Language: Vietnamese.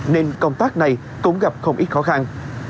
nên công tác này cũng gặp không ít khó khăn